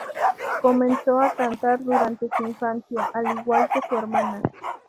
Comenzó a cantar durante su infancia, al igual que su hermana.